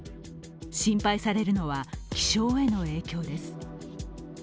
心配されるのは気象への影響です。